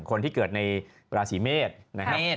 คนที่เกิดในราศีเมษนะครับ